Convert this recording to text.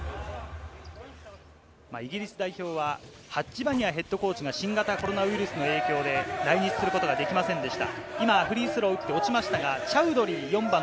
イギリス代表はハッジ・バニアヘッドコーチが新型コロナウイルスの影響で来日することができませんでした。